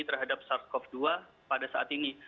terhadap sars cov dua pada saat ini